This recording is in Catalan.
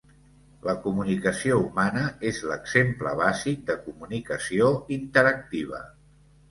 La comunicació humana és l'exemple bàsic de comunicació interactiva.